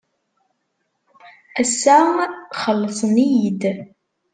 Ass-a xellsen-iyi-d.